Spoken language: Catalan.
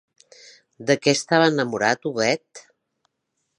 De què estava enamorat Huguet?